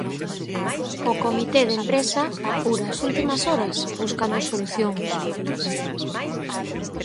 O comité de empresa apura as últimas horas buscando solucións.